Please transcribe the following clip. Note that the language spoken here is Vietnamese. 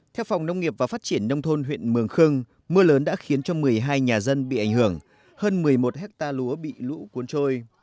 theo phòng nông nghiệp và phát triển nông thôn huyện mường khương mưa lớn đã khiến cho một mươi hai nhà dân bị ảnh hưởng hơn một mươi một hectare lúa bị lũ cuốn trôi